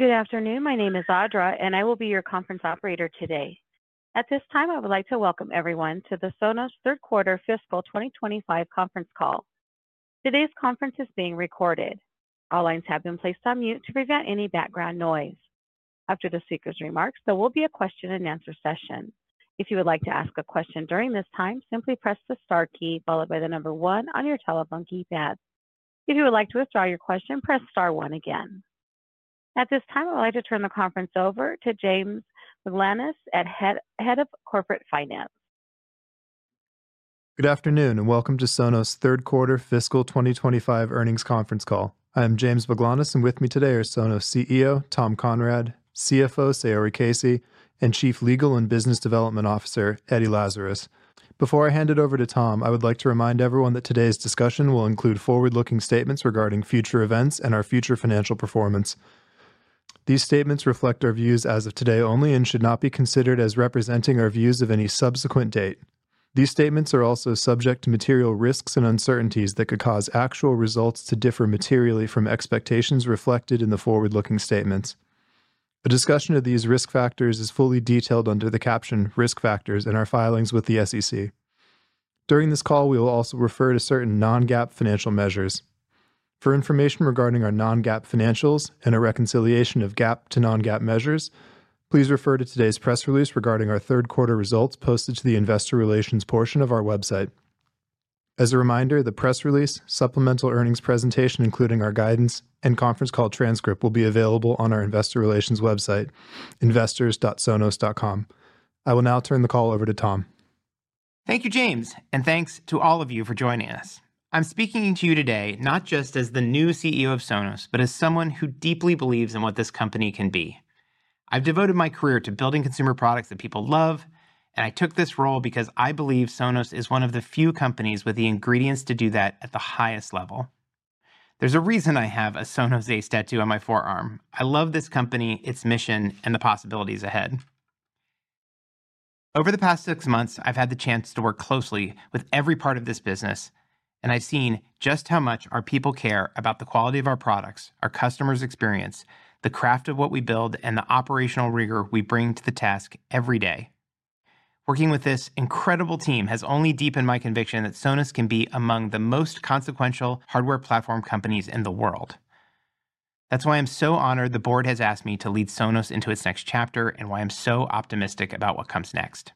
Good afternoon. My name is Audra, and I will be your conference operator today. At this time, I would like to welcome everyone to the Sonos Third Quarter Fiscal 2025 Conference Call. Today's conference is being recorded. All lines have been placed on mute to prevent any background noise. After the speaker's remarks, there will be a question-and-answer session. If you would like to ask a question during this time, simply press the star key followed by the number one on your telephone keypad. If you would like to withdraw your question, press star one again. At this time, I would like to turn the conference over to James Baglanis, Head of Corporate Finance. Good afternoon and welcome to Sonos Third Quarter Fiscal 2025 Earnings Conference Call. I am James Baglanis, and with me today are Sonos CEO Tom Conrad, CFO Saori Casey, and Chief Legal and Business Development Officer Eddie Lazarus. Before I hand it over to Tom, I would like to remind everyone that today's discussion will include forward-looking statements regarding future events and our future financial performance. These statements reflect our views as of today only and should not be considered as representing our views of any subsequent date. These statements are also subject to material risks and uncertainties that could cause actual results to differ materially from expectations reflected in the forward-looking statements. A discussion of these risk factors is fully detailed under the caption "Risk Factors" in our filings with the SEC. During this call, we will also refer to certain non-GAAP financial measures. For information regarding our non-GAAP financials and a reconciliation of GAAP to non-GAAP measures, please refer to today's press release regarding our third quarter results posted to the Investor Relations portion of our website. As a reminder, the press release, supplemental earnings presentation, including our guidance and conference call transcript, will be available on our Investor Relations website, investors.sonos.com. I will now turn the call over to Tom. Thank you, James, and thanks to all of you for joining us. I'm speaking to you today not just as the new CEO of Sonos, but as someone who deeply believes in what this company can be. I've devoted my career to building consumer products that people love, and I took this role because I believe Sonos is one of the few companies with the ingredients to do that at the highest level. There's a reason I have a Sonos-based tattoo on my forearm. I love this company, its mission, and the possibilities ahead. Over the past six months, I've had the chance to work closely with every part of this business, and I've seen just how much our people care about the quality of our products, our customers' experience, the craft of what we build, and the operational rigor we bring to the task every day. Working with this incredible team has only deepened my conviction that Sonos can be among the most consequential hardware platform companies in the world. That's why I'm so honored the board has asked me to lead Sonos into its next chapter and why I'm so optimistic about what comes next.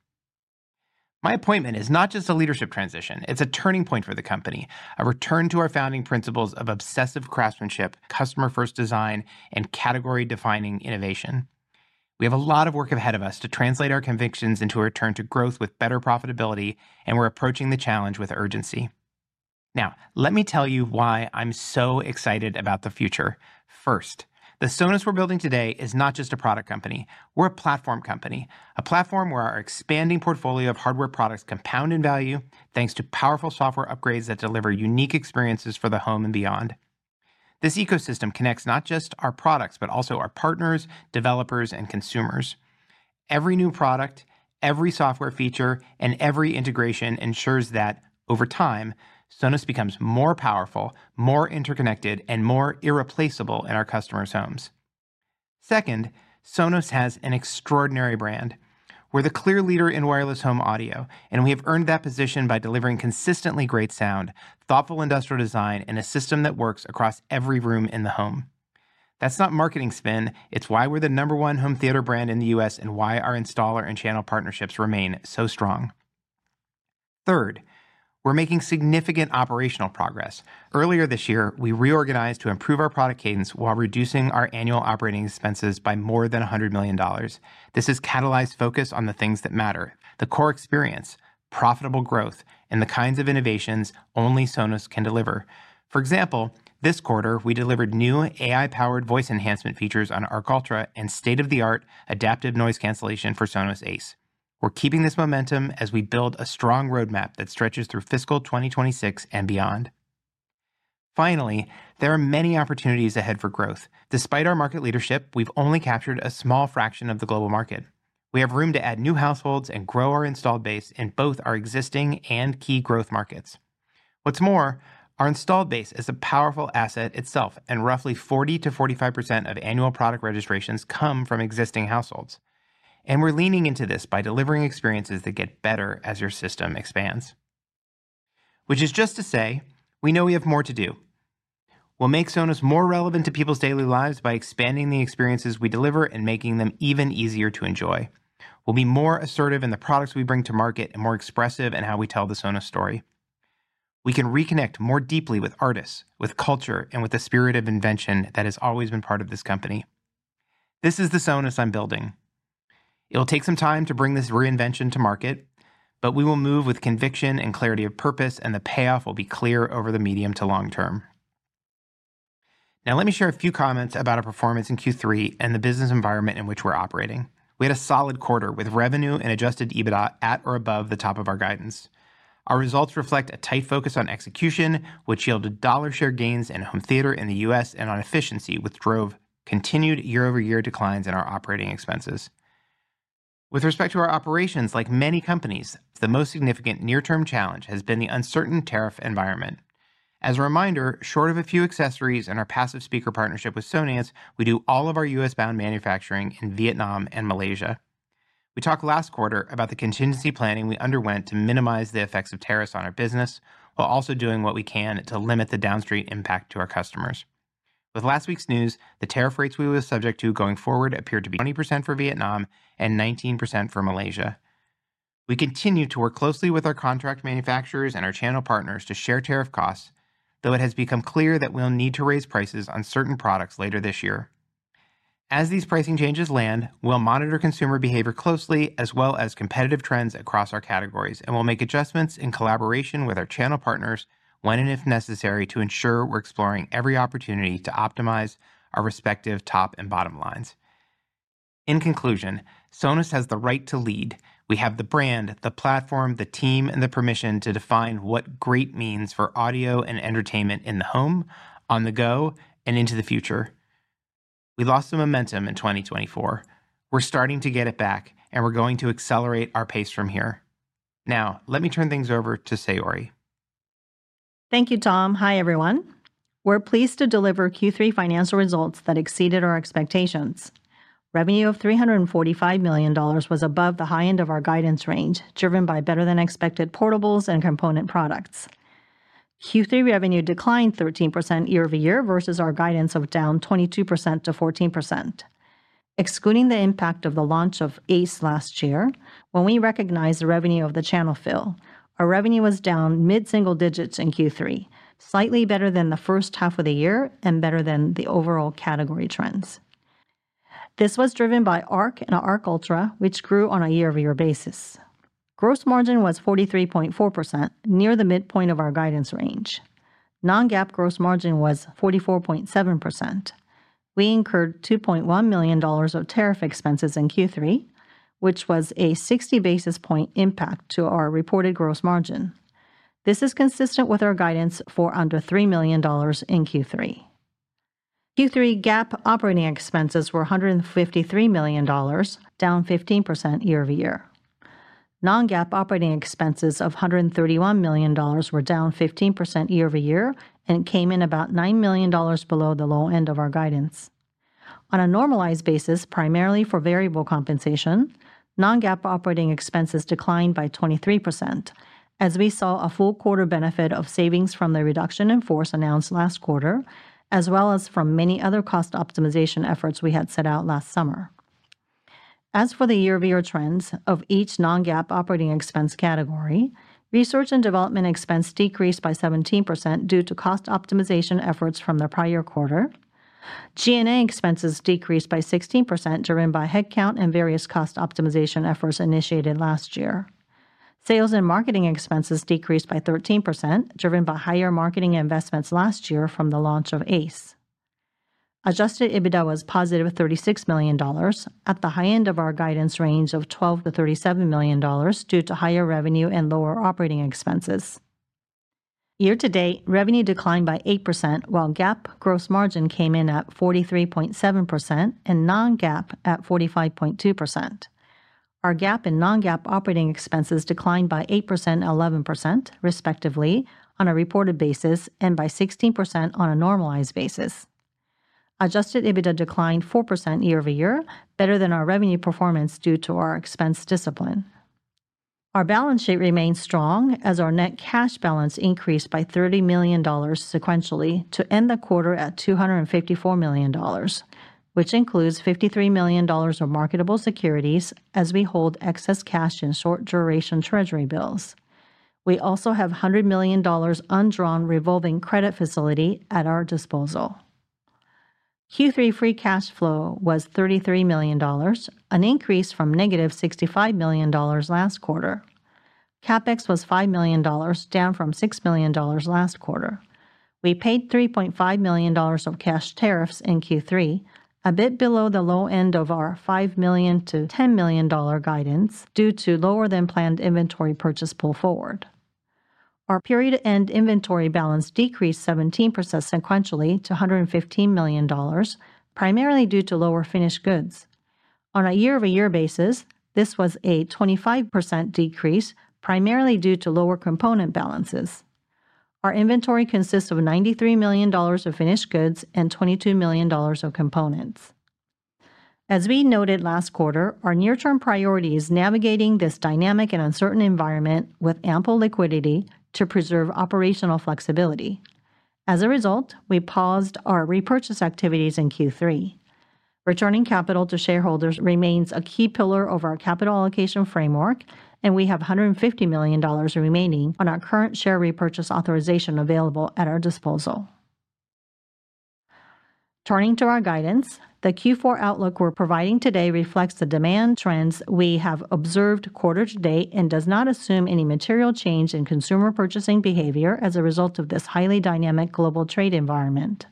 My appointment is not just a leadership transition, it's a turning point for the company, a return to our founding principles of obsessive craftsmanship, customer-first design, and category-defining innovation. We have a lot of work ahead of us to translate our convictions into a return to growth with better profitability, and we're approaching the challenge with urgency. Now, let me tell you why I'm so excited about the future. First, the Sonos we're building today is not just a product company, we're a platform company, a platform where our expanding portfolio of hardware products compound in value thanks to powerful software upgrades that deliver unique experiences for the home and beyond. This ecosystem connects not just our products, but also our partners, developers, and consumers. Every new product, every software feature, and every integration ensures that, over time, Sonos becomes more powerful, more interconnected, and more irreplaceable in our customers' homes. Second, Sonos has an extraordinary brand. We're the clear leader in wireless home audio, and we have earned that position by delivering consistently great sound, thoughtful industrial design, and a system that works across every room in the home. That's not marketing spin, it's why we're the number one home theater brand in the U.S. and why our installer and channel partnerships remain so strong. Third, we're making significant operational progress. Earlier this year, we reorganized to improve our product cadence while reducing our annual operating expenses by more than $100 million. This has catalyzed focus on the things that matter: the core experience, profitable growth, and the kinds of innovations only Sonos can deliver. For example, this quarter, we delivered new AI-powered voice enhancement features on Arc Ultra and state-of-the-art adaptive noise cancellation for Sonos Ace. We're keeping this momentum as we build a strong roadmap that stretches through fiscal 2026 and beyond. Finally, there are many opportunities ahead for growth. Despite our market leadership, we've only captured a small fraction of the global market. We have room to add new households and grow our installed base in both our existing and key growth markets. What's more, our installed base is a powerful asset itself, and roughly 40%-45% of annual product registrations come from existing households. We're leaning into this by delivering experiences that get better as your system expands. This is just to say, we know we have more to do. We'll make Sonos more relevant to people's daily lives by expanding the experiences we deliver and making them even easier to enjoy. We'll be more assertive in the products we bring to market and more expressive in how we tell the Sonos story. We can reconnect more deeply with artists, with culture, and with the spirit of invention that has always been part of this company. This is the Sonos I'm building. It'll take some time to bring this reinvention to market, but we will move with conviction and clarity of purpose, and the payoff will be clear over the medium to long term. Now, let me share a few comments about our performance in Q3 and the business environment in which we're operating. We had a solid quarter with revenue and adjusted EBITDA at or above the top of our guidance. Our results reflect a tight focus on execution, which yielded dollar-share gains in home theater in the U.S. and on efficiency, which drove continued year-over-year declines in our operating expenses. With respect to our operations, like many companies, the most significant near-term challenge has been the uncertain tariff environment. As a reminder, short of a few accessories and our passive speaker partnership with Soniox, we do all of our U.S.-bound manufacturing in Vietnam and Malaysia. We talked last quarter about the contingency planning we underwent to minimize the effects of tariffs on our business while also doing what we can to limit the downstream impact to our customers. With last week's news, the tariff rates we were subject to going forward appear to be 20% for Vietnam and 19% for Malaysia. We continue to work closely with our contract manufacturers and our channel partners to share tariff costs, though it has become clear that we'll need to raise prices on certain products later this year. As these pricing changes land, we'll monitor consumer behavior closely as well as competitive trends across our categories, and we'll make adjustments in collaboration with our channel partners when and if necessary to ensure we're exploring every opportunity to optimize our respective top and bottom lines. In conclusion, Sonos has the right to lead. We have the brand, the platform, the team, and the permission to define what great means for audio and entertainment in the home, on the go, and into the future. We lost some momentum in 2024. We're starting to get it back, and we're going to accelerate our pace from here. Now, let me turn things over to Saori. Thank you, Tom. Hi, everyone. We're pleased to deliver Q3 financial results that exceeded our expectations. Revenue of $345 million was above the high end of our guidance range, driven by better-than-expected portables and component products. Q3 revenue declined 13% year-over-year versus our guidance of down 22% to 14%. Excluding the impact of the launch of Ace last year, when we recognized the revenue of the channel fill, our revenue was down mid-single digits in Q3, slightly better than the first half of the year and better than the overall category trends. This was driven by Arc and Arc Ultra, which grew on a year-over-year basis. Gross margin was 43.4%, near the midpoint of our guidance range. Non-GAAP gross margin was 44.7%. We incurred $2.1 million of tariff expenses in Q3, which was a 60 basis point impact to our reported gross margin. This is consistent with our guidance for under $3 million in Q3. Q3 GAAP operating expenses were $153 million, down 15% year-over-year. Non-GAAP operating expenses of $131 million were down 15% year-over-year and came in about $9 million below the low end of our guidance. On a normalized basis, primarily for variable compensation, non-GAAP operating expenses declined by 23%, as we saw a full quarter benefit of savings from the reduction in force announced last quarter, as well as from many other cost optimization efforts we had set out last summer. As for the year-over-year trends of each non-GAAP operating expense category, research and development expense decreased by 17% due to cost optimization efforts from the prior quarter. G&A expenses decreased by 16%, driven by headcount and various cost optimization efforts initiated last year. Sales and marketing expenses decreased by 13%, driven by higher marketing investments last year from the launch of Ace. Adjusted EBITDA was positive $36 million at the high end of our guidance range of $12 million-$37 million due to higher revenue and lower operating expenses. Year to date, revenue declined by 8%, while GAAP gross margin came in at 43.7% and non-GAAP at 45.2%. Our GAAP and non-GAAP operating expenses declined by 8% and 11%, respectively, on a reported basis and by 16% on a normalized basis. Adjusted EBITDA declined 4% year-over-year, better than our revenue performance due to our expense discipline. Our balance sheet remains strong as our net cash balance increased by $30 million sequentially to end the quarter at $254 million, which includes $53 million of marketable securities as we hold excess cash in short-duration treasury bills. We also have a $100 million undrawn revolving credit facility at our disposal. Q3 free cash flow was $33 million, an increase from negative $65 million last quarter. CapEx was $5 million, down from $6 million last quarter. We paid $3.5 million of cash tariffs in Q3, a bit below the low end of our $5 million-$10 million guidance due to lower-than-planned inventory purchase pull forward. Our period-end inventory balance decreased 17% sequentially to $115 million, primarily due to lower finished goods. On a year-over-year basis, this was a 25% decrease, primarily due to lower component balances. Our inventory consists of $93 million of finished goods and $22 million of components. As we noted last quarter, our near-term priority is navigating this dynamic and uncertain environment with ample liquidity to preserve operational flexibility. As a result, we paused our repurchase activities in Q3. Returning capital to shareholders remains a key pillar of our capital allocation framework, and we have $150 million remaining on our current share repurchase authorization available at our disposal. Turning to our guidance, the Q4 outlook we're providing today reflects the demand trends we have observed quarter to date and does not assume any material change in consumer purchasing behavior as a result of this highly dynamic global trade environment.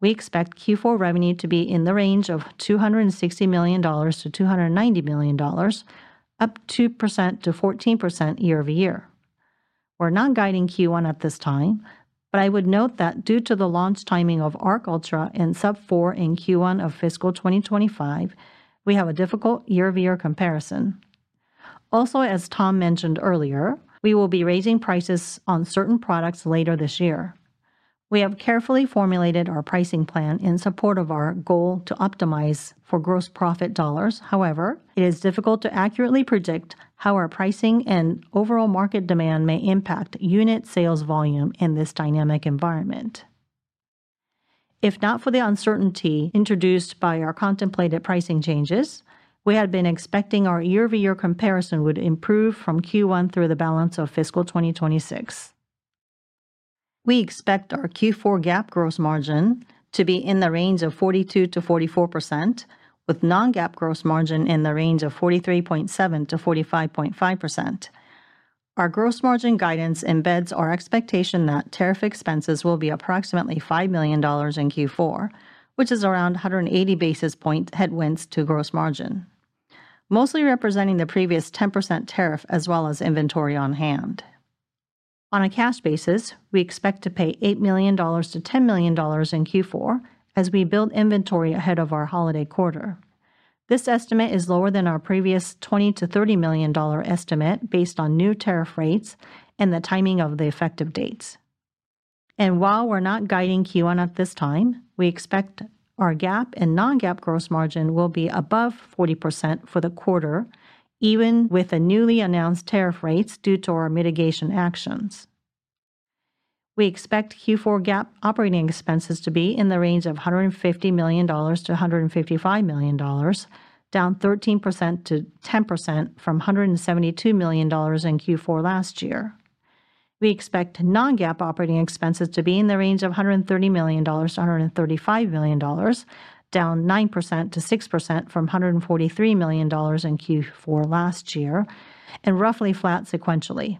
We expect Q4 revenue to be in the range of $260 million-$290 million, up 2%-14% year-over-year. We're not guiding Q1 at this time, but I would note that due to the launch timing of Arc Ultra and Sub-4 in Q1 of fiscal 2025, we have a difficult year-over-year comparison. Also, as Tom Conrad mentioned earlier, we will be raising prices on certain products later this year. We have carefully formulated our pricing plan in support of our goal to optimize for gross profit dollars; however, it is difficult to accurately predict how our pricing and overall market demand may impact unit sales volume in this dynamic environment. If not for the uncertainty introduced by our contemplated pricing changes, we had been expecting our year-over-year comparison would improve from Q1 through the balance of fiscal 2026. We expect our Q4 GAAP gross margin to be in the range of 42%-44%, with non-GAAP gross margin in the range of 43.7%-45.5%. Our gross margin guidance embeds our expectation that tariff expenses will be approximately $5 million in Q4, which is around 180 basis point headwinds to gross margin, mostly representing the previous 10% tariff as well as inventory on hand. On a cash basis, we expect to pay $8 million-$10 million in Q4 as we build inventory ahead of our holiday quarter. This estimate is lower than our previous $20 million-$30 million estimate based on new tariff rates and the timing of the effective dates. While we're not guiding Q1 at this time, we expect our GAAP and non-GAAP gross margin will be above 40% for the quarter, even with the newly announced tariff rates due to our mitigation actions. We expect Q4 GAAP operating expenses to be in the range of $150 million-$155 million, down 13%-10% from $172 million in Q4 last year. We expect non-GAAP operating expenses to be in the range of $130 million-$135 million, down 9% to 6% from $143 million in Q4 last year, and roughly flat sequentially.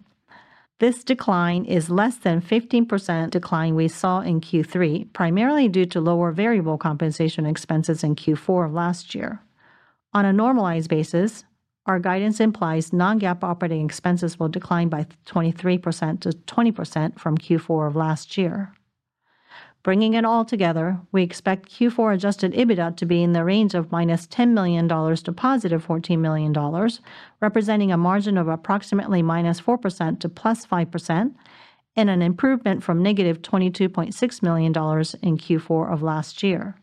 This decline is less than the 15% decline we saw in Q3, primarily due to lower variable compensation expenses in Q4 of last year. On a normalized basis, our guidance implies non-GAAP operating expenses will decline by 23% to 20% from Q4 of last year. Bringing it all together, we expect Q4 adjusted EBITDA to be in the range of -$10 million to +$14 million, representing a margin of approximately -4% to +5% and an improvement from negative $22.6 million in Q4 of last year.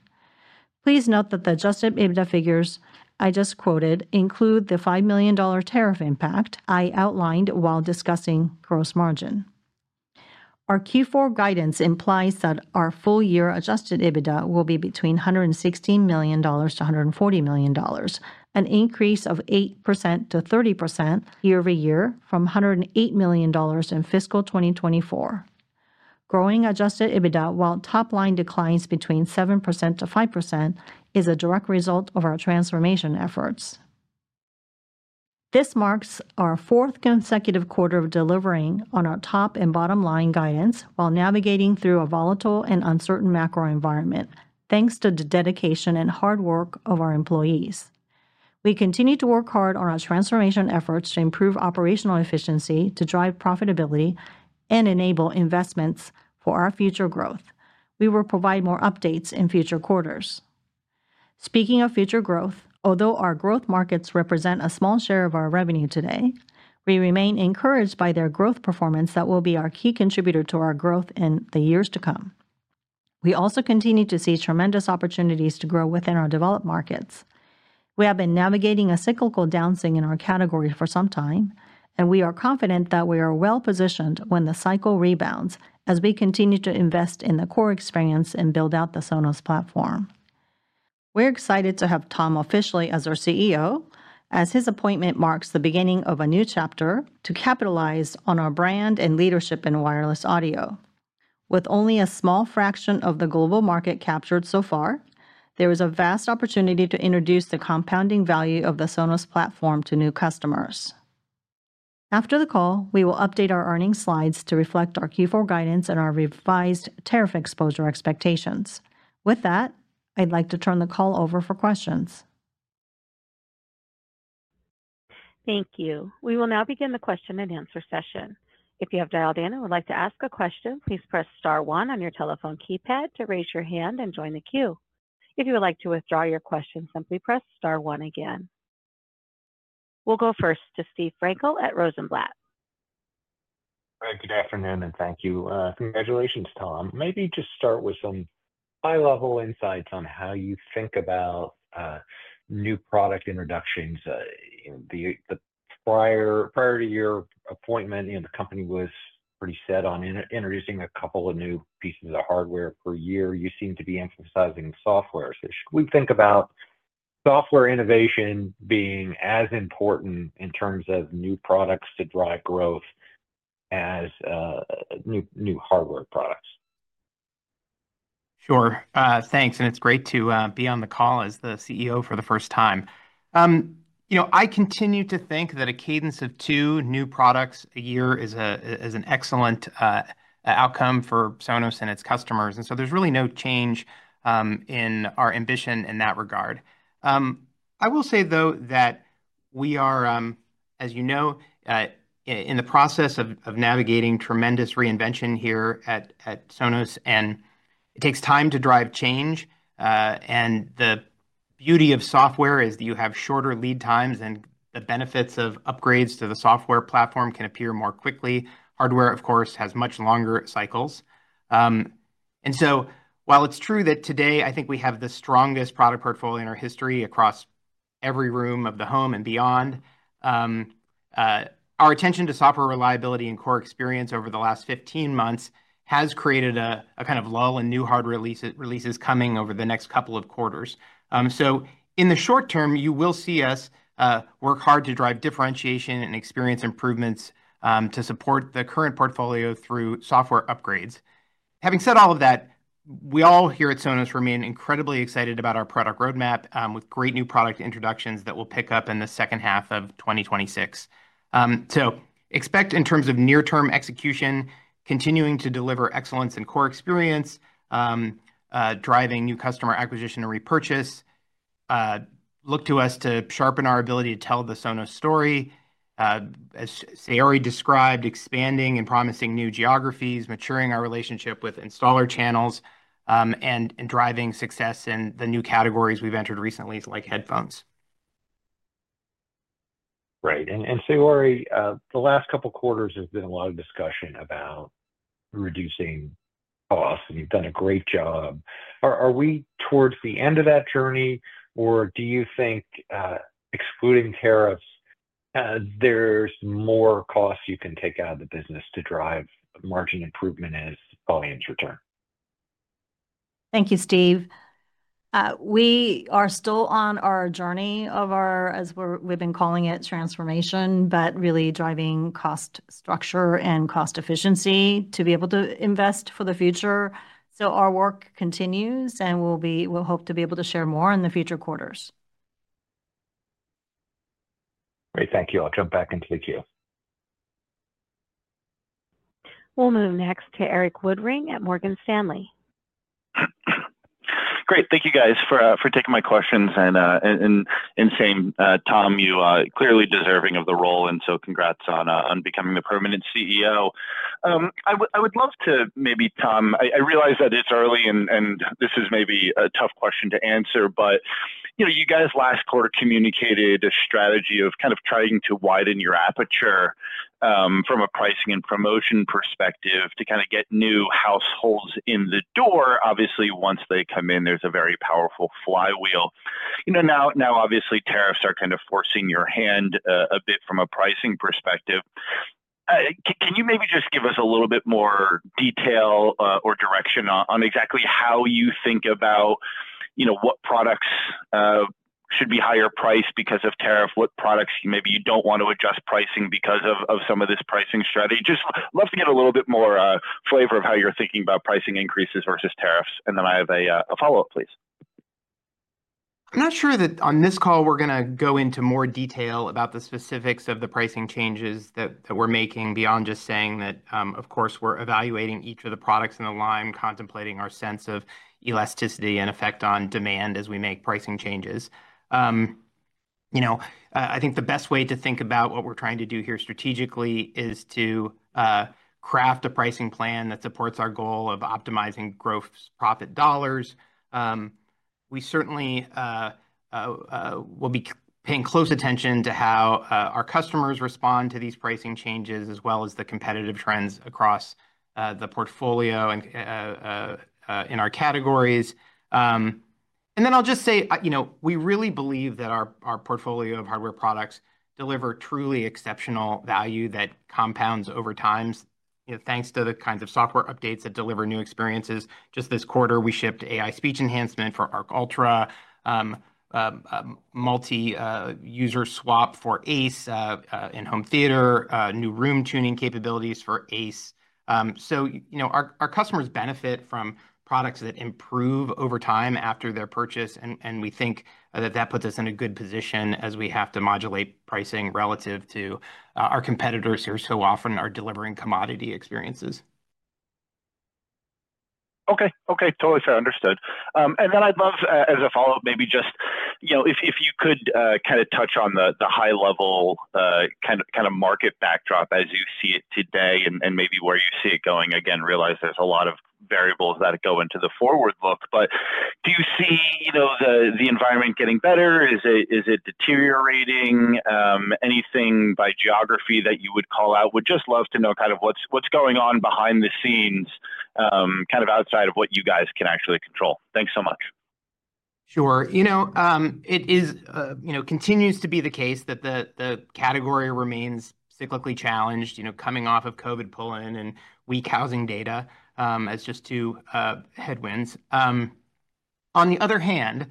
Please note that the adjusted EBITDA figures I just quoted include the $5 million tariff impact I outlined while discussing gross margin. Our Q4 guidance implies that our full-year adjusted EBITDA will be between $116 million-$140 million, an increase of 8% to 30% year-over-year from $108 million in fiscal 2024. Growing adjusted EBITDA while top line declines between 7%-5% is a direct result of our transformation efforts. This marks our fourth consecutive quarter of delivering on our top and bottom line guidance while navigating through a volatile and uncertain macro environment, thanks to the dedication and hard work of our employees. We continue to work hard on our transformation efforts to improve operational efficiency, to drive profitability, and enable investments for our future growth. We will provide more updates in future quarters. Speaking of future growth, although our growth markets represent a small share of our revenue today, we remain encouraged by their growth performance that will be our key contributor to our growth in the years to come. We also continue to see tremendous opportunities to grow within our developed markets. We have been navigating a cyclical downswing in our category for some time, and we are confident that we are well positioned when the cycle rebounds as we continue to invest in the core experience and build out the Sonos platform. We're excited to have Tom officially as our CEO, as his appointment marks the beginning of a new chapter to capitalize on our brand and leadership in wireless audio. With only a small fraction of the global market captured so far, there is a vast opportunity to introduce the compounding value of the Sonos platform to new customers. After the call, we will update our earnings slides to reflect our Q4 guidance and our revised tariff exposure expectations. With that, I'd like to turn the call over for questions. Thank you. We will now begin the question-and-answer session. If you have dialed in and would like to ask a question, please press star one on your telephone keypad to raise your hand and join the queue. If you would like to withdraw your question, simply press star one again. We'll go first to Steve Frankel at Rosenblatt. All right, good afternoon and thank you. Congratulations, Tom. Maybe just start with some high-level insights on how you think about new product introductions. Prior to your appointment, you know the company was pretty set on introducing a couple of new pieces of hardware per year. You seem to be emphasizing software. Should we think about software innovation being as important in terms of new products to drive growth as new hardware products? Sure, thanks. It's great to be on the call as the CEO for the first time. I continue to think that a cadence of two new products a year is an excellent outcome for Sonos and its customers. There is really no change in our ambition in that regard. I will say, though, that we are, as you know, in the process of navigating tremendous reinvention here at Sonos, and it takes time to drive change. The beauty of software is that you have shorter lead times, and the benefits of upgrades to the software platform can appear more quickly. Hardware, of course, has much longer cycles. While it's true that today I think we have the strongest product portfolio in our history across every room of the home and beyond, our attention to software reliability and core experience over the last 15 months has created a kind of lull in new hardware releases coming over the next couple of quarters. In the short term, you will see us work hard to drive differentiation and experience improvements to support the current portfolio through software upgrades. Having said all of that, we all here at Sonos remain incredibly excited about our product roadmap with great new product introductions that will pick up in the second half of 2026. Expect in terms of near-term execution, continuing to deliver excellence in core experience, driving new customer acquisition and repurchase. Look to us to sharpen our ability to tell the Sonos story. As Saori described, expanding in promising new geographies, maturing our relationship with installer channels, and driving success in the new categories we've entered recently like headphones. Right. Saori, the last couple of quarters there's been a lot of discussion about reducing costs, and you've done a great job. Are we towards the end of that journey, or do you think, excluding tariffs, there's more costs you can take out of the business to drive margin improvement as volumes return? Thank you, Steve. We are still on our journey of our, as we've been calling it, transformation, really driving cost structure and cost efficiency to be able to invest for the future. Our work continues, and we'll hope to be able to share more in future quarters. Great, thank you. I'll jump back into the queue. We'll move next to Erik Woodring at Morgan Stanley. Great, thank you guys for taking my questions. Tom, you are clearly deserving of the role, and congrats on becoming the permanent CEO. I would love to maybe, Tom, I realize that it's early and this is maybe a tough question to answer, but you know, you guys last quarter communicated a strategy of kind of trying to widen your aperture from a pricing and promotion perspective to kind of get new households in the door. Obviously, once they come in, there's a very powerful flywheel. Now, obviously tariffs are kind of forcing your hand a bit from a pricing perspective. Can you maybe just give us a little bit more detail or direction on exactly how you think about, you know, what products should be higher priced because of tariffs, what products maybe you don't want to adjust pricing because of some of this pricing strategy? Just love to get a little bit more flavor of how you're thinking about pricing increases versus tariffs, and then I have a follow-up, please. I'm not sure that on this call we're going to go into more detail about the specifics of the pricing changes that we're making beyond just saying that, of course, we're evaluating each of the products in the line, contemplating our sense of elasticity and effect on demand as we make pricing changes. I think the best way to think about what we're trying to do here strategically is to craft a pricing plan that supports our goal of optimizing gross profit dollars. We certainly will be paying close attention to how our customers respond to these pricing changes, as well as the competitive trends across the portfolio and in our categories. I'll just say, we really believe that our portfolio of hardware products deliver truly exceptional value that compounds over time, thanks to the kinds of software updates that deliver new experiences. Just this quarter, we shipped AI-powered voice enhancement for Arc Ultra, multi-user swap for Ace in home theater, new room tuning capabilities for Ace. Our customers benefit from products that improve over time after their purchase, and we think that that puts us in a good position as we have to modulate pricing relative to our competitors who so often are delivering commodity experiences. Okay, totally understood. I'd love, as a follow-up, maybe just, you know, if you could kind of touch on the high-level kind of market backdrop as you see it today and maybe where you see it going. I realize there's a lot of variables that go into the forward look, but do you see, you know, the environment getting better? Is it deteriorating? Anything by geography that you would call out? Would just love to know kind of what's going on behind the scenes, kind of outside of what you guys can actually control. Thanks so much. Sure. It continues to be the case that the category remains cyclically challenged, coming off of COVID pull-in and weak housing data. That's just two headwinds. On the other hand,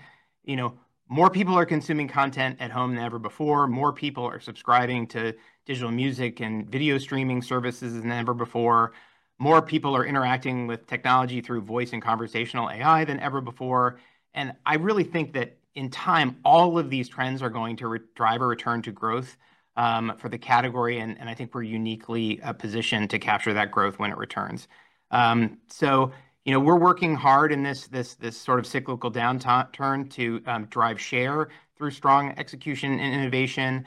more people are consuming content at home than ever before. More people are subscribing to digital music and video streaming services than ever before. More people are interacting with technology through voice and conversational AI than ever before. I really think that in time, all of these trends are going to drive a return to growth for the category, and I think we're uniquely positioned to capture that growth when it returns. We're working hard in this sort of cyclical downturn to drive share through strong execution and innovation.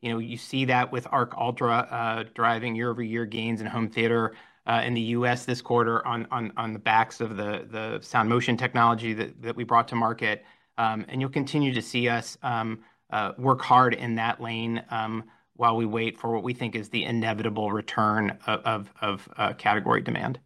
You see that with Arc Ultra driving year-over-year gains in home theater in the U.S. this quarter on the backs of the sound motion technology that we brought to market. You'll continue to see us work hard in that lane while we wait for what we think is the inevitable return of category demand.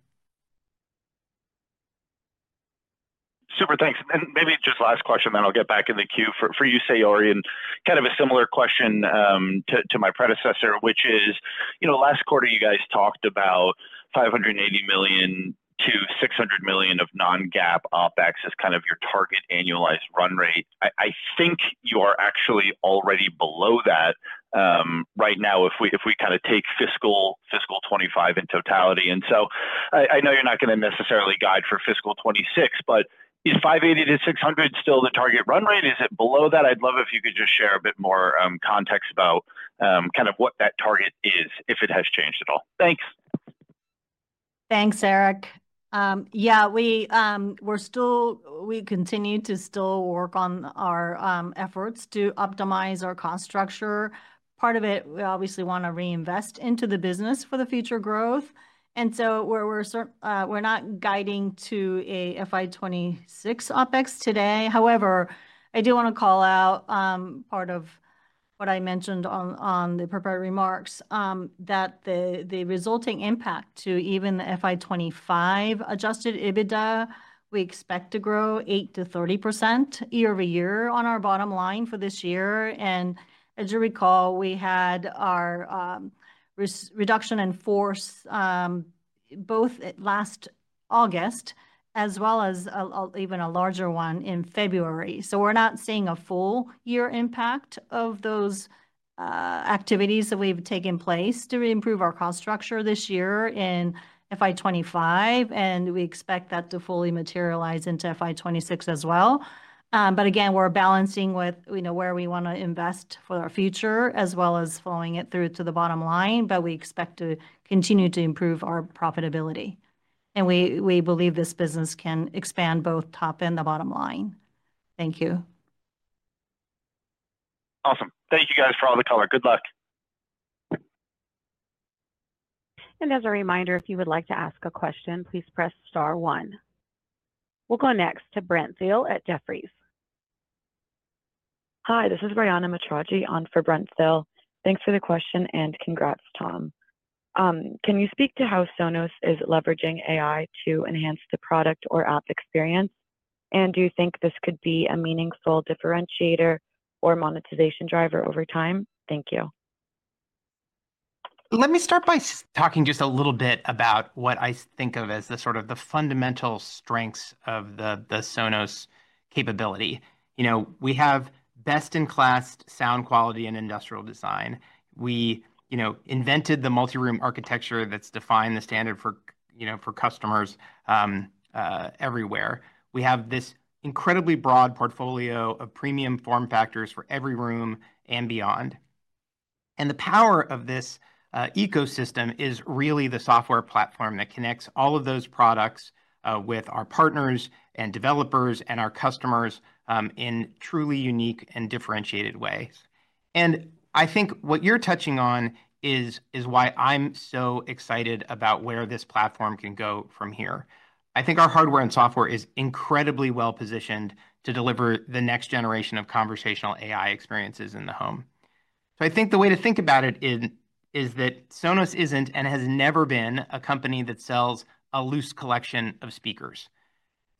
Super, thanks. Maybe just last question, then I'll get back in the queue for you, Saori, and kind of a similar question to my predecessor, which is, you know, last quarter you guys talked about $580 million-$600 million of non-GAAP OpEx as kind of your target annualized run rate. I think you are actually already below that right now if we kind of take fiscal 2025 in totality. I know you're not going to necessarily guide for fiscal 2026, but is $580 million-$600 million still the target run rate? Is it below that? I'd love if you could just share a bit more context about kind of what that target is, if it has changed at all. Thanks. Thanks, Erik. Yeah, we continue to still work on our efforts to optimize our cost structure. Part of it, we obviously want to reinvest into the business for future growth. We're not guiding to a FY 2026 OpEx today. However, I do want to call out part of what I mentioned in the prepared remarks that the resulting impact to even the FY 2025 adjusted EBITDA, we expect to grow 8%-30% year-over-year on our bottom line for this year. As you recall, we had our reduction in force both last August as well as an even larger one in February. We're not seeing a full year impact of those activities that have taken place to improve our cost structure this year in FY 2025, and we expect that to fully materialize into FY 2026 as well. We're balancing with where we want to invest for our future as well as flowing it through to the bottom line. We expect to continue to improve our profitability, and we believe this business can expand both top and bottom line. Thank you. Awesome. Thank you guys for all the color. Good luck. As a reminder, if you would like to ask a question, please press star one. We'll go next to Brent Thill at Jefferies. Hi, this is Rayyana Matraji on for Brent Thill. Thanks for the question and congrats, Tom. Can you speak to how Sonos is leveraging AI to enhance the product or app experience? Do you think this could be a meaningful differentiator or monetization driver over time? Thank you. Let me start by talking just a little bit about what I think of as the sort of the fundamental strengths of the Sonos capability. We have best-in-class sound quality and industrial design. We invented the multi-room architecture that's defined the standard for customers everywhere. We have this incredibly broad portfolio of premium form factors for every room and beyond. The power of this ecosystem is really the software platform that connects all of those products with our partners and developers and our customers in truly unique and differentiated ways. I think what you're touching on is why I'm so excited about where this platform can go from here. I think our hardware and software is incredibly well positioned to deliver the next generation of conversational AI experiences in the home. The way to think about it is that Sonos isn't and has never been a company that sells a loose collection of speakers.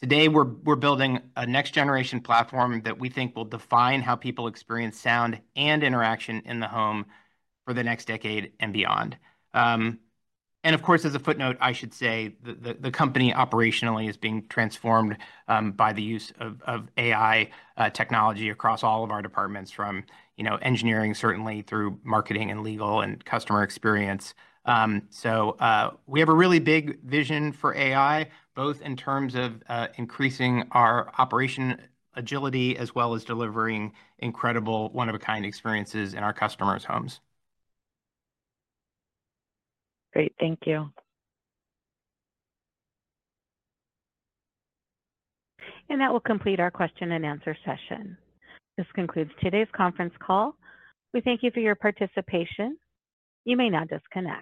Today, we're building a next-generation platform that we think will define how people experience sound and interaction in the home for the next decade and beyond. Of course, as a footnote, I should say the company operationally is being transformed by the use of AI technology across all of our departments from engineering, certainly, through marketing and legal and customer experience. We have a really big vision for AI, both in terms of increasing our operation agility as well as delivering incredible one-of-a-kind experiences in our customers' homes. Great, thank you. That will complete our question-and-answer session. This concludes today's conference call. We thank you for your participation. You may now disconnect.